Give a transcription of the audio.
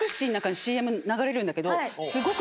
流れるんだけど。